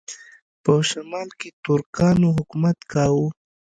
په شمال کې ترکانو حکومت کاوه.